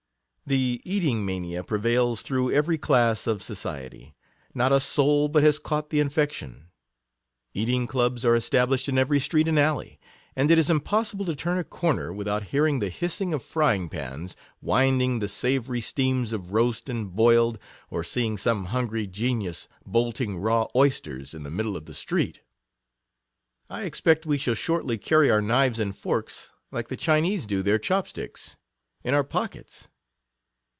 The eating mania prevails through every class of society ; not a soul but has caught the infection. Eating clubs are established in every street and alley, and it is impos sible to turn a corner without hearing the hissing of frying pans, winding the savoury steams of roast and boiled, or seeing some hungry genius bolting raw oysters in the middle of the street. I expect we shall shortly carry our knives and forks, like the Chinese do their chop sticks, in our pockets.